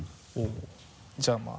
じゃあまぁ。